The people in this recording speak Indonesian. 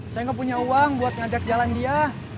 saya nggak punya uang buat ngajak jalan dia